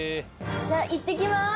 じゃあいってきます！